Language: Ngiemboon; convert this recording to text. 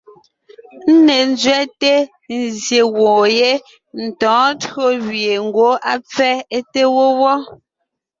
Ńne ńzẅɛte, nzsyè gwoon yé, ntɔ̌ɔn tÿǒ gẅie ngwɔ́ á pfɛ́ é te wó wɔ́,